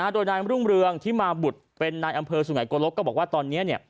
โดยนายมรุ่งเรืองที่มาบุตรเป็นนายอำเภอสุไงโกลกก็บอกว่าตอนนี้